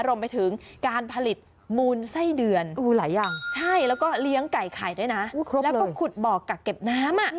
รวมไปถึงการผลิตมูลไส้เดือนหลายอย่างใช่แล้วก็เลี้ยงไก่ไข่ด้วยนะแล้วก็ขุดบ่อกักเก็บน้ำ